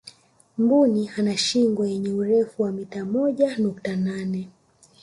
mbuni ana shingo yenye urefu wa mita moja nukta nane